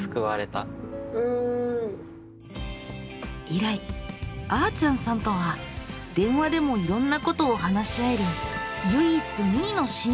以来あーちゃんさんとは電話でもいろんなことを話し合える